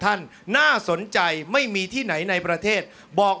ออกออกออกออกออกออกออกออกออกออกออก